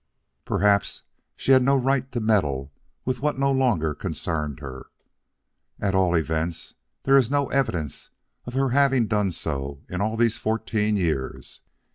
Perhaps she had no right to meddle with what no longer concerned her. At all events, there is no evidence of her having done so in all these fourteen years.